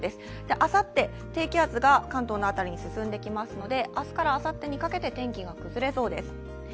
あさって低気圧が関東の辺りに進んできますので明日からあさってにかけて天気が崩れそうです。